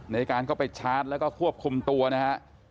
ในการเข้าไปชาร์จแล้วก็ควบคุมตัวนะฮะ